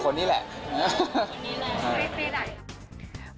คนนี้แหละคือปีไหร่ครับ